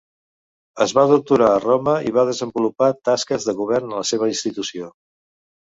Es va doctorar a Roma i va desenvolupar tasques de govern a la seva institució.